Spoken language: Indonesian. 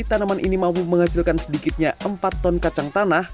tanaman ini mampu menghasilkan sedikitnya empat ton kacang tanah